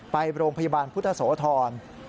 ไปโรงพยาบาลพุทธโสธร